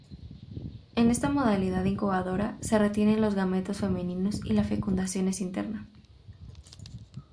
En esta modalidad incubadora, se retienen los gametos femeninos y la fecundación es interna.